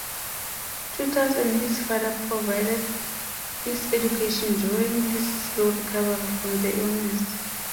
Tutors and his father provided his education during his slow recovery from the illness.